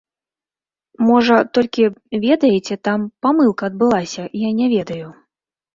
Можа, толькі, ведаеце, там памылка адбылася, я не ведаю.